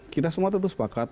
kita semua tetap sepakat